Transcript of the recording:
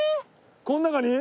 この中に？